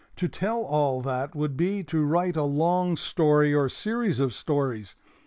To tell all that would be to write a long story or series of stories.